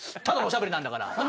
ただのおしゃべりなんだから。